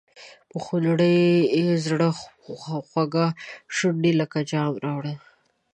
په خونړي زړه خوږه شونډه لکه جام راوړه.